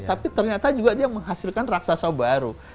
tapi ternyata juga dia menghasilkan raksasa baru